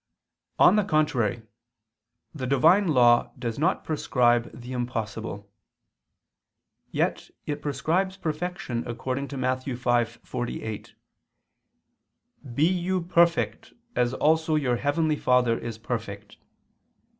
On the contrary, The Divine law does not prescribe the impossible. Yet it prescribes perfection according to Matt. 5:48, "Be you ... perfect, as also your heavenly Father is perfect."